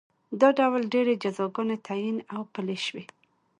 دا ډول ډېرې جزاګانې تعین او پلې شوې.